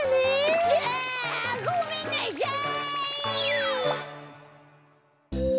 うわごめんなさい！